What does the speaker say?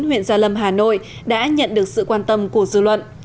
huyện gia lâm hà nội đã nhận được sự quan tâm của dư luận